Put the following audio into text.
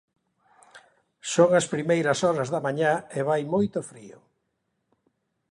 Son as primeiras horas da mañá e vai moito frío.